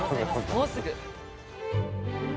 もうすぐ。